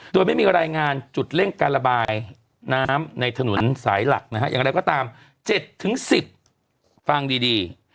โดยไม่มีรายงานจุดเร่งการระบายน้ำในถนนสายหลักนะฮะอย่างไรก็ตาม๗๑๐ฟังดี